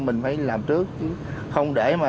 mình phải làm trước chứ không để mà